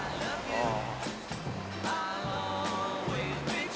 ああ。